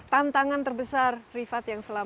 tantangan terbesar rifat yang selama